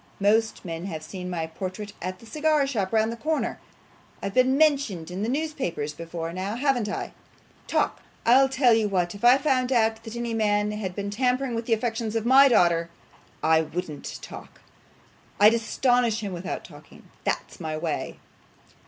Most men have seen my portrait at the cigar shop round the corner. I've been mentioned in the newspapers before now, haven't I? Talk! I'll tell you what; if I found out that any man had been tampering with the affections of my daughter, I wouldn't talk. I'd astonish him without talking; that's my way.